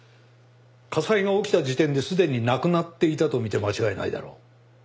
火災が起きた時点ですでに亡くなっていたとみて間違いないだろう。